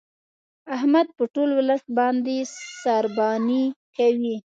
احمد په ټول ولس باندې سارباني کوي.